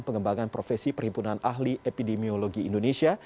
pengembangan profesi perhimpunan ahli epidemiologi indonesia